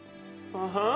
ああ。